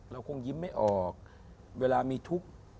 เราคงยิ้มไม่ออกเวลามีทุกข์